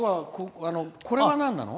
これはなんなの？